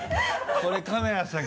これカメラさん